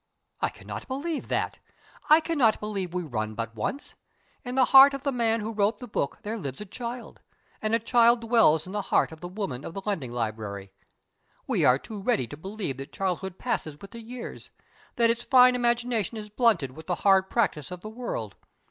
I cannot believe that. I cannot believe we run but once. In the heart of the man who wrote the book there lives a child. And a child dwells in the heart of the woman of the lending library. We are too ready to believe that childhood passes with the years that its fine imagination is blunted with the hard practice of the world.